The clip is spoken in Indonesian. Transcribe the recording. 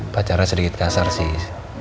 pacarnya sedikit kasar sih